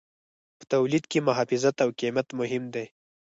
په تولید کې محافظت او قیمت مهم دي.